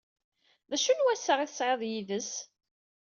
D acu n wassaɣ ay tesɛid yid-s?